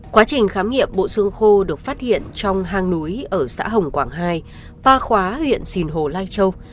quá trình khám nghiệm bộ xương khô được phát hiện trong hang núi ở xã hồng quảng hai pa khóa huyện sìn hồ lai châu